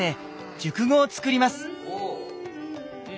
熟語を作ります。